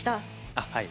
あっはい。